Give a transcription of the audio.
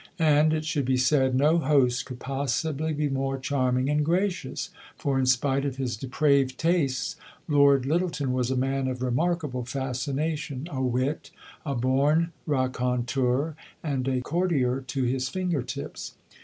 And, it should be said, no host could possibly be more charming and gracious; for, in spite of his depraved tastes, Lord Lyttelton was a man of remarkable fascination a wit, a born raconteur, and a courtier to his finger tips.